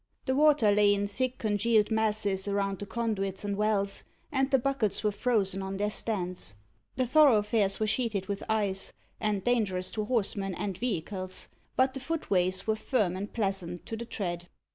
The water lay in thick congealed masses around the conduits and wells, and the buckets were frozen on their stands. The thoroughfares were sheeted with ice, and dangerous to horsemen and vehicles; but the footways were firm and pleasant to the tread.